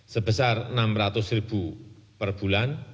sebesar rp enam ratus ribu